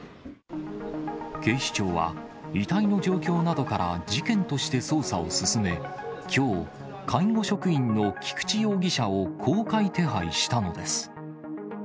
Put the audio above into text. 警視庁は、遺体の状況などから、事件として捜査を進め、きょう、介護職員の菊池容疑者を公開手配したのです。